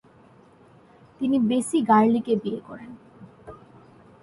তিনি বেসি গার্লিকে বিয়ে করেন।